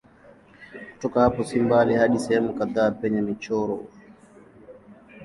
Kutoka hapo si mbali hadi sehemu kadhaa penye michoro.